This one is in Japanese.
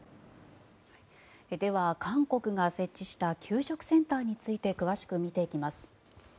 では、韓国が設置した給食センターについて詳しく見ていきます。